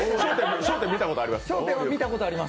「笑点」見たことあります？